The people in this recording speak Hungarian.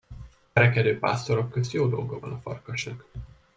Verekedő pásztorok közt jó dolga van a farkasnak.